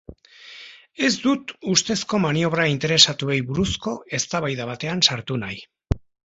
Ez dut ustezko maniobra interesatuei buruzko eztabaida batean sartu nahi.